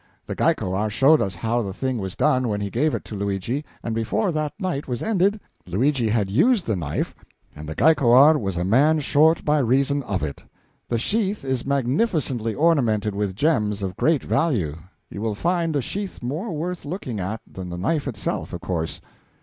The Gaikowar showed us how the thing was done when he gave it to Luigi, and before that night was ended Luigi had used the knife, and the Gaikowar was a man short by reason of it. The sheath is magnificently ornamented with gems of great value. You will find the sheath more worth looking at than the knife itself, of course."